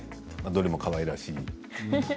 どれもかわいらしい。